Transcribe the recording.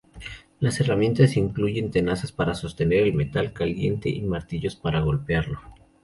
Las herramientas incluyen tenazas para sostener el metal caliente y martillos para golpearlo.